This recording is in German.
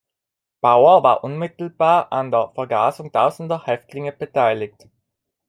Bauer war unmittelbar an der Vergasung tausender Häftlinge beteiligt.